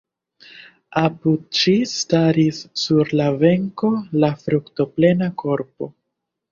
Apud ŝi staris sur la benko la fruktoplena korpo.